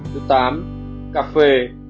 thứ tám cà phê